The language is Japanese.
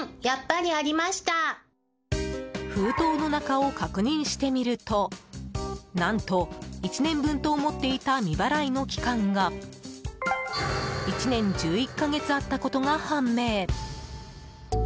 封筒の中を確認してみると何と、１年分と思っていた未払いの期間が１年１１か月あったことが判明。